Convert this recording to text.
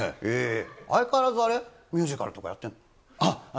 相変わらずあれ、ミュージカルとかやってるの？